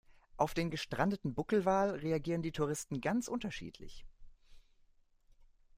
Auf den gestrandeten Buckelwal reagieren die Touristen ganz unterschiedlich.